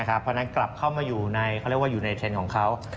เพราะนั้นกลับเข้ามาอยู่ในเทนของเขา